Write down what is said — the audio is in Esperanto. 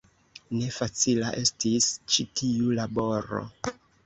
Ne facila estis ĉi tiu laboro.